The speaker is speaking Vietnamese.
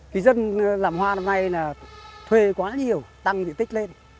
vì dân làm hoa năm nay là thuê quá nhiều tăng diện tích lên